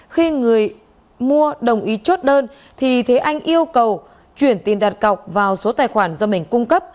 khi người mua đồng ý chốt đơn thì thế anh yêu cầu chuyển tiền đặt cọc vào số tài khoản do mình cung cấp